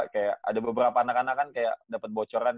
kayak ada beberapa anak anak kan kayak dapat bocoran